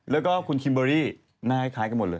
แล้วก็คุณคิมเบอรี่หน้าคล้ายกันหมดเลย